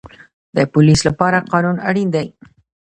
د پولیس لپاره قانون اړین دی